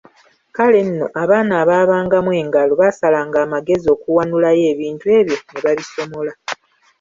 "Kale nno abaana abaabangamu engalo, baasalanga amagezi okuwanulayo ebintu ebyo ne babisomola."